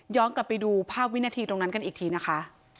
กลับไปดูภาพวินาทีตรงนั้นกันอีกทีนะคะ